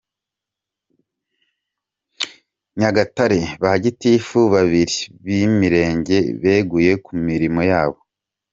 Nyagatare:Ba Gitifu babiri b’Imirenge beguye ku mirimo yabo.